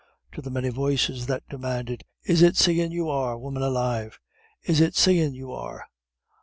To the many voices that demanded: "Is it seein' you are, woman alive? Is it seein' you are?"